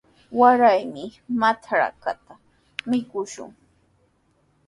Waraymi matrkata mikushun.